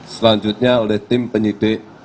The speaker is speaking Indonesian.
selanjutnya oleh tim penyidik